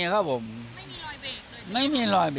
ก็ไม่